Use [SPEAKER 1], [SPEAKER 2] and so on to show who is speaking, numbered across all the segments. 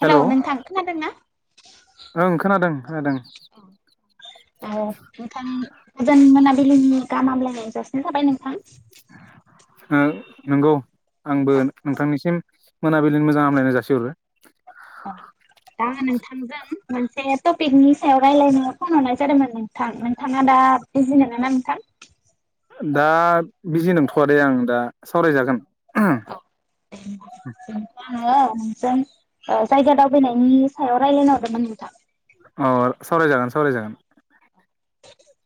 [SPEAKER 1] Hello नोंथां खोनादोंना?
[SPEAKER 2] ओं खोनादों खोनादों।
[SPEAKER 1] औ औ नोंथां गोजोन मोनाबिलिनि गाहाम हामलायनाय जासिनाय थाबाय नोंथां। [inaudible]
[SPEAKER 2] ओ नंगौ आंबो नोंथांनिसिम मोनाबिलिनि मोजां हामलायनाय जासिहरो।
[SPEAKER 1] अ दा नोंथांजों उम मोनसे टपिकनि सायाव रायलायनो फन हरनाय जादोंमोन नोंथां नोंथाङा दा बिजि नोङाना नोंथां?
[SPEAKER 2] दा बिजि नोंथ'वा दे आं दा सावरायजागोन।
[SPEAKER 1] [inaudible] आङो नोंजों ओ जायगा दावबायनायनि सायाव रायलायनो हरदोंमोन नोंथां।
[SPEAKER 2] अ सावरायजागोन सावरायजागोन।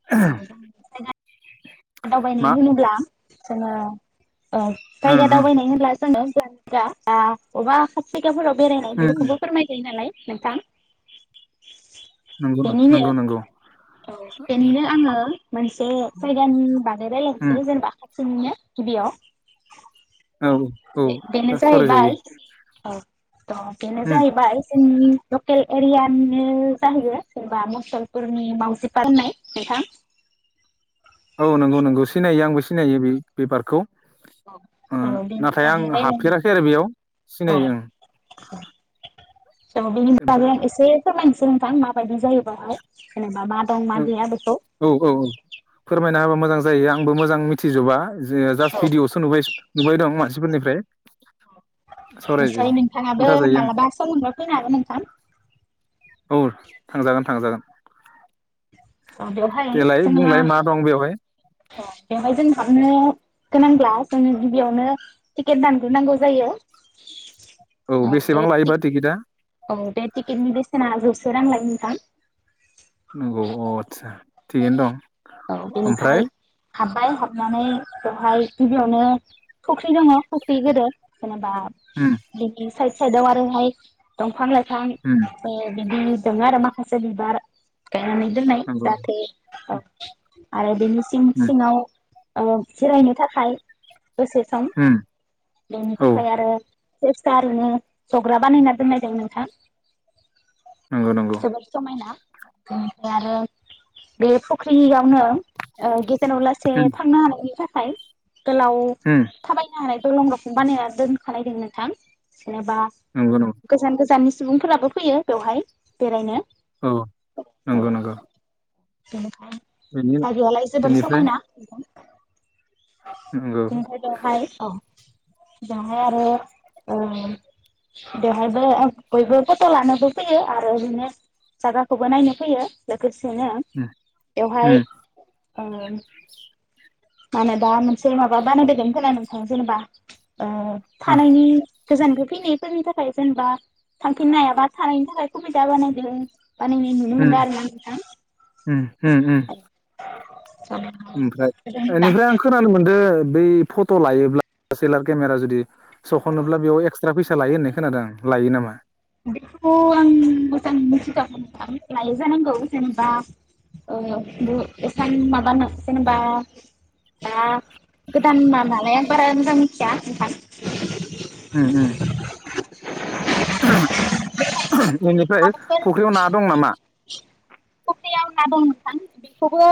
[SPEAKER 1] [unintelligible] दावबायनाय
[SPEAKER 2] मा
[SPEAKER 1] होनोब्ला जोङो ओ
[SPEAKER 2] उम
[SPEAKER 1] जायगा
[SPEAKER 2] उम
[SPEAKER 1] दावबायनाय होनब्ला जोङो ओ अबा खाथि जायगाफोराव बेरायनाय
[SPEAKER 2] उम उम
[SPEAKER 1] बेफोरखौबो फोरमाय जायो नालाय नोंथां।
[SPEAKER 2] नंगौ
[SPEAKER 1] बेनिनो
[SPEAKER 2] नंगौ नंगौ
[SPEAKER 1] औ बेनिनो आङो मोनसे साय [unintelligible] बागै
[SPEAKER 2] उम
[SPEAKER 1] रायलायनायनोसै जेनेबा खाथिनिनो गिबियाव
[SPEAKER 2] औ
[SPEAKER 1] बे-बेनो
[SPEAKER 2] औ सावरायजायो
[SPEAKER 1] जाहैबाय औ त' बेनो
[SPEAKER 2] उम
[SPEAKER 1] जाहैबाय जोंनि लकेल एरियानिनो जाहैयो जेनबा मसलपुरनि मावजि पार्क होन्नाय नोंथां।
[SPEAKER 2] औ नंगौ नंगौ सिनायो आंबो सिनायो बे-बे पार्कखौ। ओ
[SPEAKER 1] औ बेनि
[SPEAKER 2] नाथाय आं
[SPEAKER 1] बागै रायलायनो
[SPEAKER 2] हाबफेराखै आरो बेयाव सिनायो ओं।
[SPEAKER 1] जों बेनि बागै
[SPEAKER 2] ओमफ्राय
[SPEAKER 1] आं एसे फोरमायनिसै आं नोंथां माबायदि जायो बहाय जेनेबा मा दं मा गैया बेखौ।
[SPEAKER 2] औ औ औ फोरमायना होबा मोजां जायो आंबो मोजां मिथिजोबा जो जास्ट
[SPEAKER 1] औ
[SPEAKER 2] भिडिअ'आवसो नुबायस नुबाय दं मानसिफोरनिफ्राय। सावरायजायो
[SPEAKER 1] निसय नोंथाङाबो
[SPEAKER 2] खोन्थाजायो आं
[SPEAKER 1] मालाबा सम मोनबा फैनो हागोन नोंथां।
[SPEAKER 2] औ थांजागोन थांजागोन।
[SPEAKER 1] अ बेवहाय
[SPEAKER 2] देलाय
[SPEAKER 1] जोंहा
[SPEAKER 2] [unintelligible] बेवहाय
[SPEAKER 1] अ बेवहाय जों हाबनो गोनांब्ला जोङो गिबियावनो टिकेट दानग्रोनांगौ जायो।
[SPEAKER 2] औ
[SPEAKER 1] बे
[SPEAKER 2] बेसेबां लायोबा टिकेटआ?
[SPEAKER 1] औ बे टिकेटनि बेसेना जौसे रां लायो नोंथां।
[SPEAKER 2] नंगौ अ आदसा थिगैनो दं ओमफ्राय
[SPEAKER 1] हाब्बाय हाबनानै बेवहाय गिबियावनो फुख्रि दङ फुख्रि गोदोर जेनेबा
[SPEAKER 2] उम
[SPEAKER 1] बेथिं साइद साइदाव आरोहाय दंफां लाइफां
[SPEAKER 2] होम
[SPEAKER 1] ओ बिदिनो दोङ आरो माखासे बिबार गायनानै दोननाय
[SPEAKER 2] नंगौ
[SPEAKER 1] जाहाथे औ। आरो बेनि सिं
[SPEAKER 2] उम
[SPEAKER 1] सिङाव ओ जिरायनो थाखाय दसे सम
[SPEAKER 2] उम
[SPEAKER 1] ज'नो
[SPEAKER 2] औ
[SPEAKER 1] थाखाय आरो फिसा फिसा ओरैनो ज'ग्रा बानायना दोन्नाय दों नोंथां।
[SPEAKER 2] नोंगौ नोंगौ।
[SPEAKER 1] जोबोद समायना बेनिफ्राय आरो बे फुख्रियावनो ओ गेजेराव लासे
[SPEAKER 2] उम
[SPEAKER 1] थांनो हानायनि थाखाय गोलाव
[SPEAKER 2] उम
[SPEAKER 1] थाबायनो हानाय दलं रखम बानायना दोनखानाय दों नोंथां जेनेबा
[SPEAKER 2] नोंगौ नं
[SPEAKER 1] गोजान गोजाननि सुबुंफोराबो फैयो बेवहाय बेरायनो।
[SPEAKER 2] औ नंगौ नंगौ। बेनि
[SPEAKER 1] बेनिखाय [unintelligible] आलाय जोबोर
[SPEAKER 2] बेनिफ्राय
[SPEAKER 1] समायना।
[SPEAKER 2] नंगौ
[SPEAKER 1] [unintelligible] बेवहाय औ बेवहाय आरो ओ बेवहायबो बयबो फथ' लानोबो फैयो आरो बिदिनो जायगाखौबो नायनो फैयो। लोगोसेनो
[SPEAKER 2] उम
[SPEAKER 1] बेवहाय
[SPEAKER 2] उम
[SPEAKER 1] ओम मा होनो दा मोनसे माबा बानायबावदों खोनादों जेनेबा ओ थानायनि गोजाननिफ्राय फैनायफोरनि थाखाय जेनेबा थांफिननो हायाबा थानायनि थाखाय सुबिदा बानायदों। बानायनाय नुनो
[SPEAKER 2] उम
[SPEAKER 1] मोनदों आरोना नोंथां।
[SPEAKER 2] उम उम उम
[SPEAKER 1] [unintelligible]
[SPEAKER 2] ओमफ्राय एनिफ्राय आं खोनानो मोन्दों बै फट' लायोब्ला सेलार केमेरा जुदि सख'नोब्ला बेयाव एक्सट्रा फैसा लायो होननाय खोनादों आं लायो नामा?
[SPEAKER 1] बेखौ आं मोजां मिथिथ'वाखै थां लायो जानांगौ जेनेबा ओ बो एसां माबानो जेनेबा दा गोदाना मालाय आं बारा मोजां मिथिया नोंथां।
[SPEAKER 2] उम उम। बेनिफ्राय
[SPEAKER 1] माबाफोर
[SPEAKER 2] फुख्रियाव ना दं नामा?
[SPEAKER 1] फख्रियाव ना दं नोंथां। बेखौबो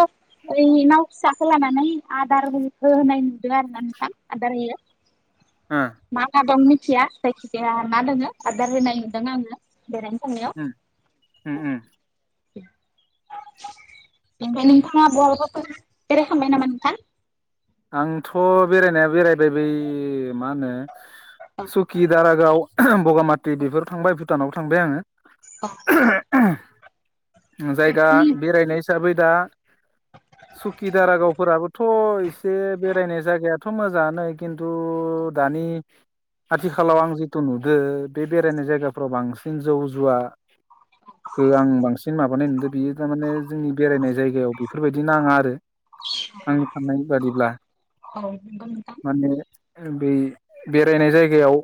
[SPEAKER 1] ओरै नाव फिसाखौ लानानै आदार होन-होनाय नुदों आरो ना नोंथां आदार होयो।
[SPEAKER 2] ओम।
[SPEAKER 1] मा मा दं मिथिया जायखिजाया ना दोङो आदार होनाय नुदों आङो बेरायनो थांनायाव।
[SPEAKER 2] उम उम उम।
[SPEAKER 1] [inaudible] ओमफाय नोंथाआ बहाबाफोर बेरायखांबाय नामा नोंथां?
[SPEAKER 2] आंथ' बेरायनाया बेरायबाय बै मा होनो सुकि, दारागाव, बगामाथि बेफोराव थांबाय भुटानावबो थांबाय आङो।
[SPEAKER 1] अ।
[SPEAKER 2] जायगा बेरायनाय हिसाबै दा सुखि दारागावफोराबोथ' एसे बेरायनाय जा यगायाथ' मोजाङानो खिन्थु दानि आथिखालाव आं जिथु नुदों बे बेरायनाय जायगाफ्राव बांसिन जौ जुवा
[SPEAKER 1] [inaudible]
[SPEAKER 2] ओ आं बांसिन माबानाय नुदों बियो थारमाने जोंनि बेरायनाय जायगायाव बेफोरबायदि नाङा आरो आंनि साननायनि बादिब्ला।
[SPEAKER 1] औ नंगौ नोंथां
[SPEAKER 2] माने बै बेरायनाय जायगायाव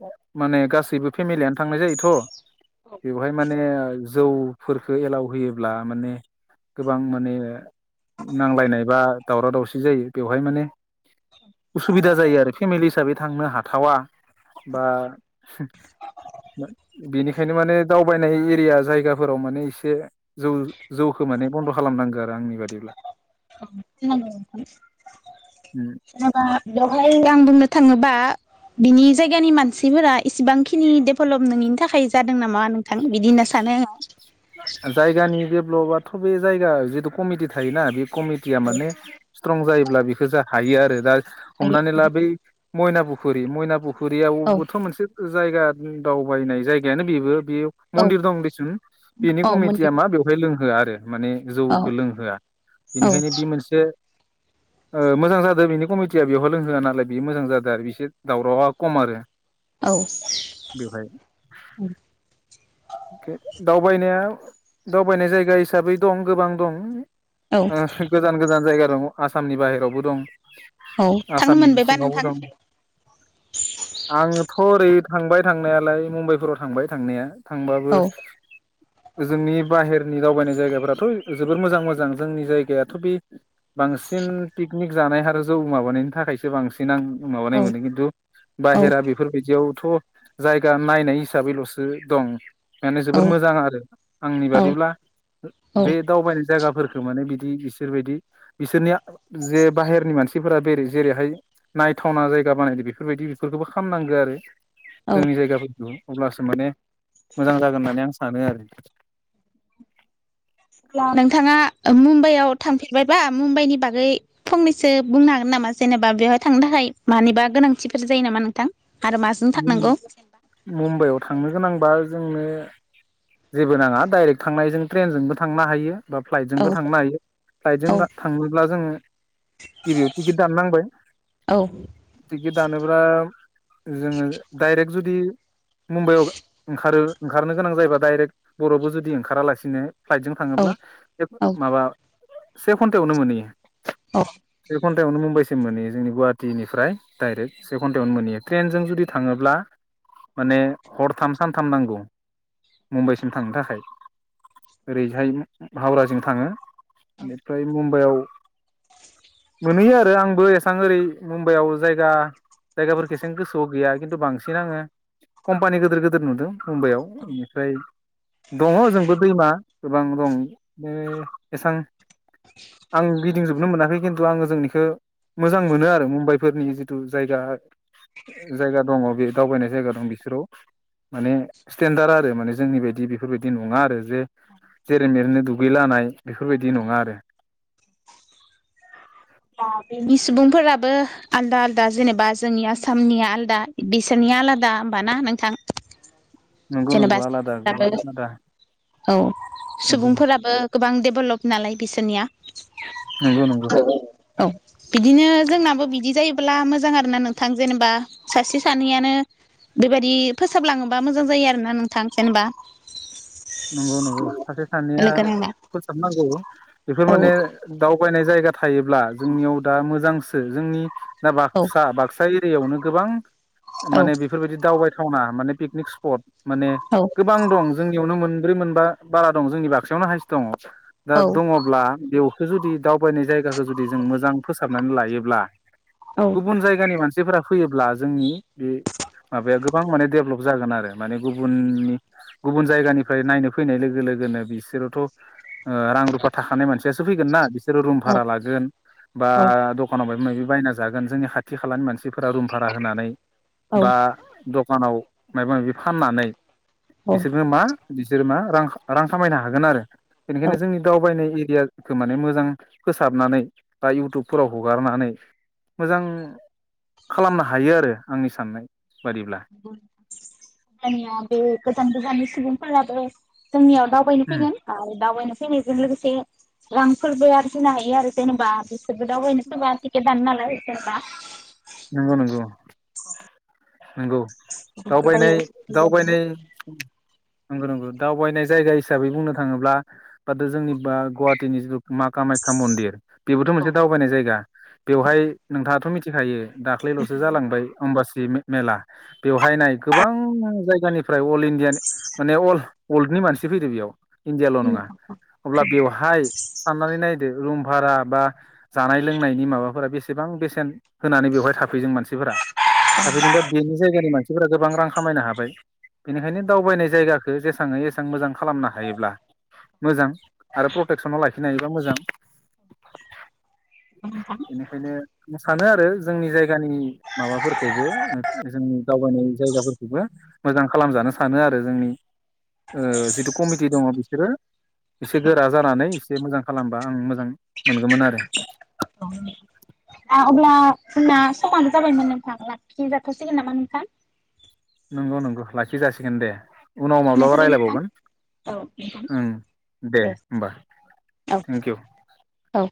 [SPEAKER 2] माने गासैबो फेमिलियानो थांनाय जायोथ' बेवहाय माने जौफोरखौ एलाव होयोब्ला माने गोबां माने नांलायनाय बा दावराव दावसि जायो बेवहाय माने उसुबिदा जायो आरो फेमिलि हिसाबै थांनो हाथावा बा बेनिखायनो माने दावबायनाय एरिया जायगाफोराव माने एसे जौ जौखौ माने बन्द' खालामनांगो आरो आंनि बादिब्ला।
[SPEAKER 1] [inaudible]
[SPEAKER 2] उम।
[SPEAKER 1] जेनबा बेवहाय आं बुंनो थाङोबा बिनि जायगानि मानसिफोरा इसिबांखिनि देभलप नङिनि थाखाय जादों नामा नों थां बिदि होनना सानो आङो।
[SPEAKER 2] जायगानि डेभ्लपआथ' बे जायगा जिथु कमिटि थायोना बे कमिटिया माने स्ट्रं जायोब्ला बेखौ जा हायो आरो दा
[SPEAKER 1] हायो
[SPEAKER 2] हमनानै ला बै मैना पुखुरि मयना पुखुर
[SPEAKER 1] औ
[SPEAKER 2] खुरियावबोथ' मोनसे जायगा दावबायनाय जायगायानो बेबो बे
[SPEAKER 1] औ
[SPEAKER 2] मन्दिर दं देसुन। बेनि
[SPEAKER 1] औ
[SPEAKER 2] कमिटिया
[SPEAKER 1] मन्दिर
[SPEAKER 2] मा बेवहाय लोंहोआ आरो माने
[SPEAKER 1] औ
[SPEAKER 2] जौखो लोंहोआ।
[SPEAKER 1] औ
[SPEAKER 2] बेनिखायनो बे मोनसे ओ मोजां जादों बेनि कमिटिया बेयावहाय लोंहोआ नालाय बे मोजां जादों आरो बिसोर दावरावा खम आरो।
[SPEAKER 1] औ
[SPEAKER 2] बेवहाय
[SPEAKER 1] उम।
[SPEAKER 2] दावबायनाया दावबायनाय जायगा हिसाबै दं गोबां दं।
[SPEAKER 1] औ
[SPEAKER 2] ओ गोजान गोजान जायगा दं आसामनि बाहेरावबो दं।
[SPEAKER 1] औ थांनो
[SPEAKER 2] आसामनि
[SPEAKER 1] मोनबायबा
[SPEAKER 2] सिंआवबो
[SPEAKER 1] नोंथां
[SPEAKER 2] दं। आंथ' ओरै थांबाय थांनायालाय मुम्बाइफोराव थांबाय थांनाया थांबाबो
[SPEAKER 1] औ
[SPEAKER 2] जोंनि बाहेरनि दावबायनाय जायगाफोराथ' जोबोर मोजां मोजां जोंनि जायगायाथ' बे बांसिन पिकनिक जानाय आरो जौ माबानायनि थाखायसो बांसि नो आं माबानाय मोनो खिन्थु
[SPEAKER 1] औ
[SPEAKER 2] बाहेरा बेफोरबायदियावथ' जायगा नायनाय हिसाबैल'सो दं। माने
[SPEAKER 1] औ
[SPEAKER 2] जोबोर मोजां आर। ो आंनि बादिब्ला बे दावबायनाय जायगाफोर माने बिदि बिसोर बायदि बिसोरनि जे बाहेरनि मानसि फोरा बेर जेरैहाय नायथावना जायगा बानायदो बेफोरबायदि बेफोरखौबो खामनांगो आरो। जोंनि जायगाफोरखौ अब्लासो माने मोजां जागोन होननानै आं सानो आरो।
[SPEAKER 1] [unintelligible] नोंथाङा मुम्बाइआव थांफेरबायबा मुम्बाइनि बागै फंनैसो बुंनो हागोन नामा जेनेबा बेवहाय थांनो थाखाय मानिबा गोनांथिफोर जायो नामा नोंथां? आरो मास
[SPEAKER 2] मुम्बाइआव थांनो गोनांबा जोंनो जेबो नाङा डाइरेक्ट थांनो हायो जों ट्रेनजोंबो थांनो हायो। बा
[SPEAKER 1] औ
[SPEAKER 2] फ्लाइटजोंबो थांनो हायो
[SPEAKER 1] औ
[SPEAKER 2] फ्लाइटजोंबा थांनोब्ला जोङो गिबियाव टिकेट दान नांबाय
[SPEAKER 1] औ
[SPEAKER 2] टिकेट दानोब्ला जोङो डाइरेक्ट जुदि मुम्बाइआव ओंखारो ओंखारनो गोनां जायोबा डाइरेक्ट बर'बो जुदि ओंखारालासिनो फ्लाइटजों
[SPEAKER 1] औ
[SPEAKER 2] थाङोब्ला बे
[SPEAKER 1] औ
[SPEAKER 2] माबा से घन्टावनो मोनैयो।
[SPEAKER 1] अ।
[SPEAKER 2] से घन्टायावनो मुम्बाइसिम मोनैयो जोंनि गुवाहाटिनिफ्राय डाइरेक्ट से घन्टायावनो मोनहैयो। ट्रेनजों जुदि थाङोब्ला माने हरथाम सानथाम नांगौ। मुम्बाइसिम थांनो थाखाय। ओरैहाय हावराजों थाङो बेनिफ्राय मुम्बाइआव मोनहैयो आरो आंबो एसां ओरै मुम्बाइआव जायगा जायगाफोर एसें गोसोआव गैया खिन्थु बांसिन आङो कम्पानि गोदिर गोदिर नुदों मुम्बाइआव बेनिफ्राय दङ ओजोंबो दैमा गोबां दं बे एसां आं गिदिंजोबनो मोनाखै खिन्थु आं ओजोंनिखो मोजां मोनो आरो मुम्बाइफोरनि जिथु जायगा जायगा दङ बे दावबायनाय जायगा दं बिसोराव माने स्टेेनडार आरो माने जोंनि बायदि बेफोरबायदि नङा आरो जे जेरै मेरैनो दुगैलानाय बेफोरबायदि नङा आरो।
[SPEAKER 1] बा बिनि सुबुंफोराबो आलदा आलदा जेनेबा जोंनि आसामनिया आलदा बिसोरनिया आलादा होमबा ना नोंथां?
[SPEAKER 2] नंगौ
[SPEAKER 1] जेनेबा
[SPEAKER 2] नंगौ आलादा गोबां
[SPEAKER 1] जायगाफोराबो
[SPEAKER 2] आलादा
[SPEAKER 1] औ
[SPEAKER 2] नंगौ
[SPEAKER 1] सुबुंफोराबो गोबां डेभलप नालाय बिसोरनिया।
[SPEAKER 2] नंगौ नंगौ
[SPEAKER 1] औ बिदिनो जोंनाबो बिदि जायोबोला मोजां आरोना नोंथां जेनेबा सासे सानैयानो बेबायदि फोसाबलाङोबा मोजां जायो आरोना नोंथां। जेनेबा
[SPEAKER 2] नंगौ नंगौ सासे सानैया
[SPEAKER 1] लोगो नांना
[SPEAKER 2] फोसाबनांगौ बेफोर माने
[SPEAKER 1] औ
[SPEAKER 2] दावबायनाय जायगा थायोब्ला जोंनियाव दा मोजांसो। जोंनि दा
[SPEAKER 1] औ
[SPEAKER 2] बाक्सा बाक्सा एरियायावनो गोबां
[SPEAKER 1] औ
[SPEAKER 2] माने बेफोरबायदि दावबायथावना माने पिकनिक स्पट माने
[SPEAKER 1] औ।
[SPEAKER 2] गोबां दं जोंनियावनो मोनब्रै मोनबा बारा दं जोंनि बाक्सायावनो हाइस दङ दा
[SPEAKER 1] औ
[SPEAKER 2] दङ ब्ला बेवखौ जुदि दावबायनाय जायगाखौ जुदि जों मोजां फोसाबनानै लायोब्ला
[SPEAKER 1] औ।
[SPEAKER 2] गुबुन जायगानि मानसिफोरा फैयोब्ला जोंनि बे माबाया गोबां माने डेभलप जागोन आरो माने गुबुननि गुबुन जायगानि ओमफ्राय नायनो फैनाय लोगो लोगोनो बिसोरोथ' ओ रां-रुफा थाखानाय मानसियासो फैगोन ना बिसोरो रुम
[SPEAKER 1] औ
[SPEAKER 2] भारा लागोन। बा
[SPEAKER 1] औ
[SPEAKER 2] द दखानाव मायबा मायबि बायना जागोन जोंनि खाथि खालानि मानसिफोरा रुम भारा होनानै।
[SPEAKER 1] औ
[SPEAKER 2] बा द'खानाव माबा माबि फाननानै
[SPEAKER 1] औ
[SPEAKER 2] बिसोरनो मा बिसोरो मा रां खा रां खामायनो हागोन आरो।
[SPEAKER 1] औ
[SPEAKER 2] बेनिखायनो जोंनि दावबायनाय एरिया -खौ माने मोजां फोसाबनानै बा इउटुबफोराव हगारनानै मोजां खालामनो हायो आरो आंनि साननाय बादिब्ला।
[SPEAKER 1] अ होमबानिया बे गोजान गोजाननि सुबुंफोराबो जोंनियाव दाव बायनो
[SPEAKER 2] उम
[SPEAKER 1] फैगोन आरो दावबायनो फैनायजों लोगोसे रांफोरबो आरजिनो हायो आरो जेनेबा [unintelligible] दावबायनो फैब्ला टिकेट दानो नालाय [unintelligible]
[SPEAKER 2] नोंगौ नोंगौ नोंगौ। दावबायनाय
[SPEAKER 1] जायो बेबायदिनो
[SPEAKER 2] दावबायनाय नंगौ नंगौ। दावबायनाय जायगा हिसाबै बुंनो थाङोब्ला बाथो जोंनि बा गुवाहाटिनि जिथु मा कामाख्या मन्दिर बेबोथ' मोनसे दावबायनाय जायगा। बेवहाय नोंथाङाथ' मिथिखायो दाख्लैल'सो जालांबाय अम्बासि मे मेला बेवहाय नाय गोबां जायगानिफ्राय अल इण्डियानि माने अल वर्ल्डनि मानसि फैदो बेयाव इण्डियाल' नङा। अब्ला बेवहाय साननानै नायदो रुम भारा बा जानाय लोंनायनि माबाफोरा बेसेबां बेसेन होनानै बेवहाय थाफैदों मानसिफोरा थाफैदोंबा बेनि जायगानि मानसिफोरा गोबां रां खामायनो हाबाय बेनिखायनो दावबायनाय जायगाखौ जेसां हायो एसां मोजां खालामनो हायोब्ला मोजां। आरो प्रटेकसनाव लाखिनो हायोबा मोजां।
[SPEAKER 1] [inaudible]
[SPEAKER 2] खायनो सानो आरो जोंनि जायगानि माबाफोरखौबो जोंनि दावबायनाय जायगाफोरखौबो मोजां खालामजानो सानो आरो जोंनि ओ जिथु कमिटि दङ बिसोरो एसे गोरा जाना नै इसे मोजां खालामबा आं मोजां मोनगौमोन आरो।
[SPEAKER 1] [inaudible] दा अब्ला जोंना समानो जाबायमोन नोंथां लाखि जाथ'सिगोन नामा नोंथां?
[SPEAKER 2] नंगौ नंगौ लाखि जासिगोन दे। उनाव
[SPEAKER 1] गोजोननाय
[SPEAKER 2] माब्लाबा
[SPEAKER 1] थाबाय नोंथां
[SPEAKER 2] रायलायबावगोन
[SPEAKER 1] औ नोंथां
[SPEAKER 2] ओं दे होमबा।
[SPEAKER 1] औ
[SPEAKER 2] थेंक इउ।
[SPEAKER 1] औ।